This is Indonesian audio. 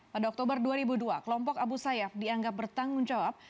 pada oktober dua ribu dua kelompok abu sayyaf dianggap bertanggung jawab